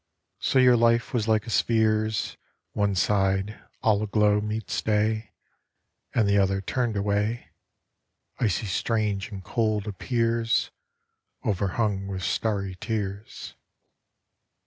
So your life was like a sphere's : One side, all aglow, meets day, And the other turned away, Icy strange and cold appears, Overhung with starry tears.